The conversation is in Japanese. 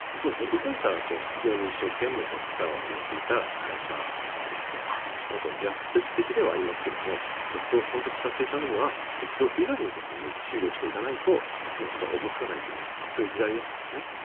以前から副業に一生懸命力を入れていた会社でして逆説的ではありますけど鉄道を存続させるためには鉄道以外のことに注力していかないと存続はおぼつかないという時代ですのでね。